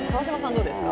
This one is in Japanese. どうですか？